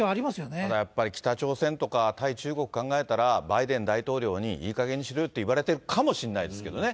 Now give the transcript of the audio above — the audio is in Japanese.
ただやっぱり、北朝鮮とか対中国考えたら、バイデン大統領に、いいかげんにしろよって言われてるかもしれないですけどね。